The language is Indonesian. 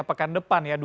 pekan depan ya